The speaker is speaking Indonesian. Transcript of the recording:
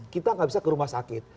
kita nggak bisa ke rumah sakit